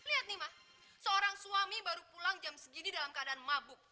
lihat nih mah seorang suami baru pulang jam segini dalam keadaan mabuk